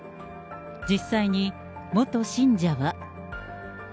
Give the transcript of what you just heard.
実際に元信者は。